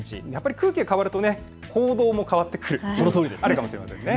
空気が変わると行動も変わってくる、あるかもしれません。